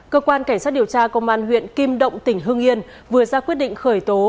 cơ quan cảnh sát điều tra công an huyện kim động tỉnh hưng yên vừa ra quyết định khởi tố